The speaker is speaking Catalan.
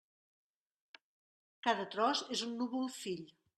Cada tros és un núvol-fill.